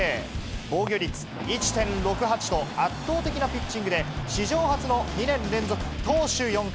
防御率１．６８と、圧倒的なピッチングで、史上初の２年連続投手４冠。